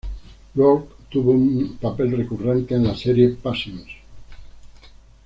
Roark tuvo un papel recurrente en la serie "Passions".